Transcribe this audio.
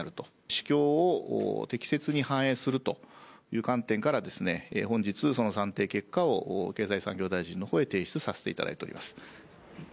市況を適切に反映するという観点から、本日、その算定結果を、経済産業大臣のほうへ提出させていただいております。